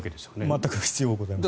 全く必要ございません。